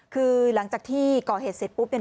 คือหลังจากที่ก่อเหตุเสร็จปุ๊บ